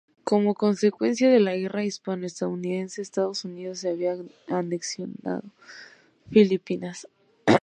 Como consecuencia de la Guerra Hispano-estadounidense, Estados Unidos se había anexionado Filipinas.